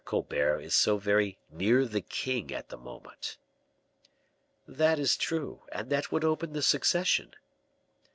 Colbert is so very near the king at this moment." "That is true, and that would open the succession."